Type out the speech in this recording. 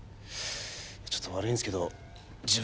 ちょっと悪いんですけど自分